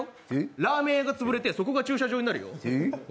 ラーメン屋が潰れてそこが駐車場になるよ。